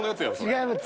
違います